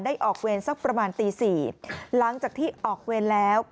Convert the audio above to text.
ออกเวรสักประมาณตี๔หลังจากที่ออกเวรแล้ว